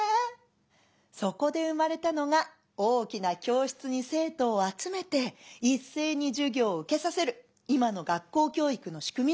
そこで生まれたのが大きな教室に生徒を集めて一斉に授業を受けさせる今の学校教育の仕組みなんだよ」。